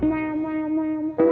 sini biar neng aja